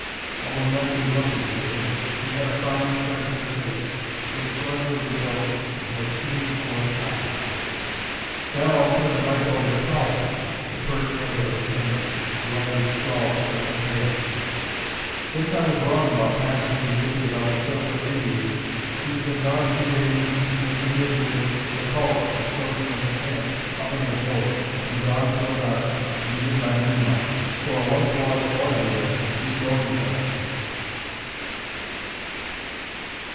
Although not good looking, really, he had a fine, sensitive face, was slenderly built and had keen alert eyes. "Now I'll turn the mike over to Polly," the pert handwriting ended. The languid scrawl took up the tale. "Guess I was wrong about Pat's being dippy about the silver aviator. He's been gone two days and she's been canoeing with 'The Poet' from 'Crow's Nest Camp' up in the hills from dawn till dark and even by moonlight. For a once was boy hater, she's going some.